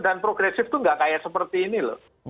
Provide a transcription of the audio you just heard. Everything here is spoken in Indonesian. dan progresif itu nggak kayak seperti ini lho